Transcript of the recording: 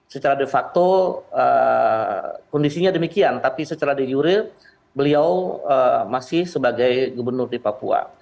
secara de facto kondisinya demikian tapi secara de jure beliau masih sebagai gubernur di papua